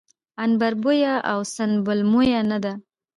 عنبربويه او سنبل مويه نه ده